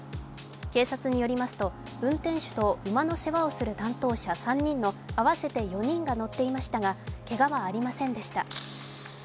警察によりますと運転手と馬の世話をする担当者３人の合わせて４人が乗っていましたがけがはありませんでした。